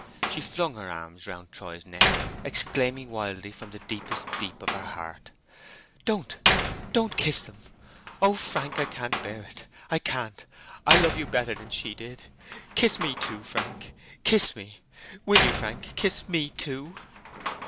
She flung her arms round Troy's neck, exclaiming wildly from the deepest deep of her heart— "Don't—don't kiss them! O, Frank, I can't bear it—I can't! I love you better than she did: kiss me too, Frank—kiss me! _You will, Frank, kiss me too!